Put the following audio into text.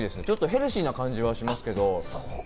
ヘルシーな感じはしますけど。